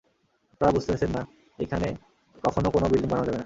আপনারা বুঝতেছেন না, এইখানে কখনও কোন বিল্ডিং বানানো যাবেনা।